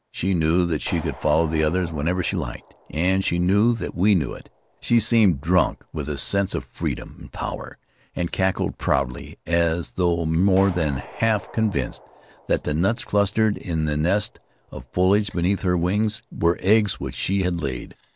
She knew that she could follow the others whenever she liked, and she knew that we knew it. She seemed drunk with a sense of freedom and power, and cackled proudly, as though more than half convinced that the nuts clustered in the nest of foliage beneath her were eggs which she had laid.